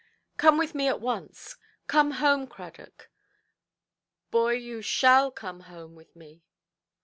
"Come with me at once, come home, Cradock; boy, you shall come home with me"!